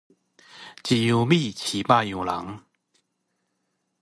一樣米飼百樣人